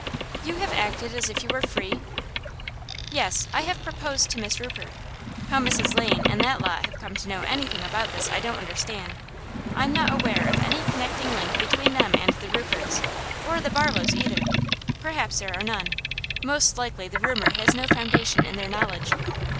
'You have acted as if you were free?' 'Yes. I have proposed to Miss Rupert. How Mrs Lane and that lot have come to know anything about this I don't understand. I am not aware of any connecting link between them and the Ruperts, or the Barlows either. Perhaps there are none; most likely the rumour has no foundation in their knowledge.